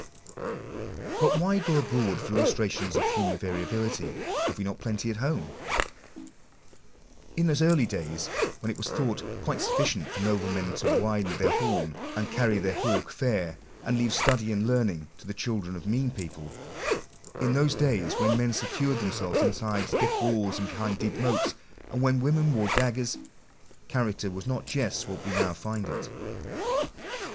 But why go abroad for illustrations of human variability ? have we not plenty at home ? In those early days when it was thought " quite sufficient for noblemen to winde their horn, and carry their hawke fair, and leave study and learning to the children of mean people"— in those days when men secured themselves inside thick walls and behind deep moats, and when women wore daggers, character was not just what we now find it.